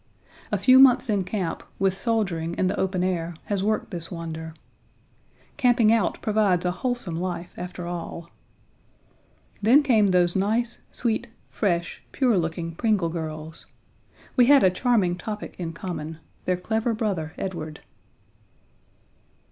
A few months in camp, with soldiering in the open air, has worked this wonder. Camping out proves a wholesome life after all. Then came those nice, sweet, fresh, pure looking Pringle girls. We had a charming topic in common their clever brother Edward.